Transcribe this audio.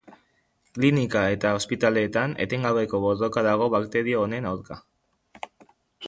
Klinika eta ospitaleetan etengabeko borroka dago bakterio honen aurka.